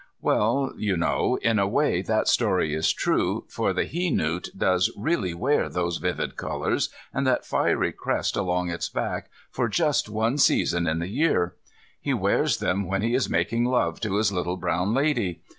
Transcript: Well, you know, in a way that story is true, for the he newt does really wear those vivid colours and that fiery crest along its back for just one season in the year. He wears them when he is making love to his little brown lady.